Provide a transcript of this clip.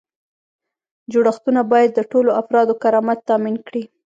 جوړښتونه باید د ټولو افرادو کرامت تامین کړي.